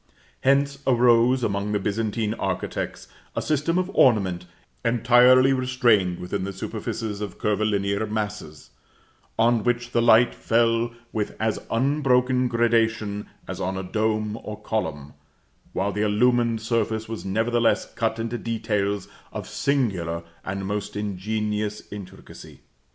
Hence arose, among the Byzantine architects, a system of ornament, entirely restrained within the superfices of curvilinear masses, on which the light fell with as unbroken gradation as on a dome or column, while the illumined surface was nevertheless cut into details of singular and most ingenious intricacy.